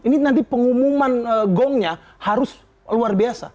ini nanti pengumuman gongnya harus luar biasa